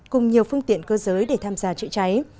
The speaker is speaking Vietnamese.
cùng nhiều phương tiện cơ giới để tham gia chữa cháy